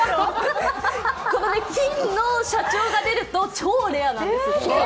金の社長が出ると、超レアなんです。